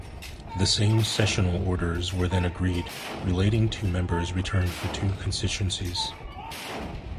The same sessional orders were then agreed relating to members returned for two constituencies.